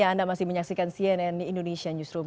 ya anda masih menyaksikan cnn indonesia newsroom